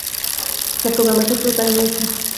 চট্টগ্রামের ক্ষেত্রেও তা ই হয়েছে।